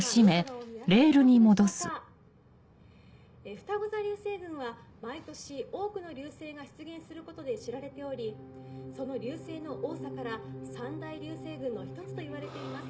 ふたご座流星群は毎年多くの流星が出現することで知られておりその流星の多さから三大流星群の一つといわれています。